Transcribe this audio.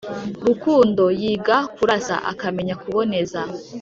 rukundo Yiga kurasa, akamenya kuboneza